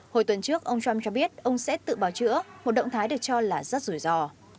hồi tuần trước ông trump cho biết ông sẽ tự bào chữa một động thái được cho là rất rủi ro